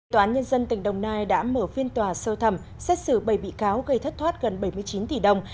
tòa án nhân dân tỉnh đồng nai đã mở phiên tòa sơ thẩm xét xử bảy bị cáo gây thất thoát gần bảy mươi chín tỷ đồng